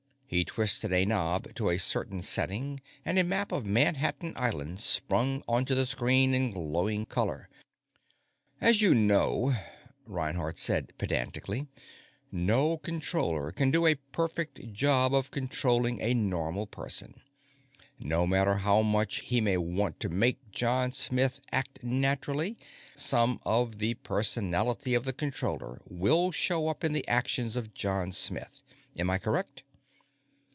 He twisted a knob to a certain setting, and a map of Manhattan Island sprang onto the screen in glowing color. "As you know," Reinhardt said pedantically, "no Controller can do a perfect job of controlling a normal person. No matter how much he may want to make John Smith act naturally, some of the personality of the Controller will show up in the actions of John Smith. Am I correct?"